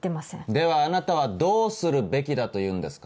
ではあなたはどうするべきだというんですか。